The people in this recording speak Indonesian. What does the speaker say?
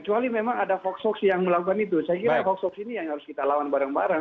kecuali memang ada vox vox yang melakukan itu saya kira vox vox ini yang harus kita lawan bareng bareng